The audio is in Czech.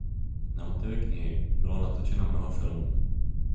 Na motivy knihy bylo natočeno mnoho filmů.